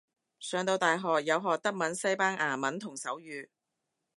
上到大學有學德文西班牙文同手語